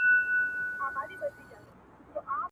o چي مور لرې ادکه، په ښه کور به دي واده که.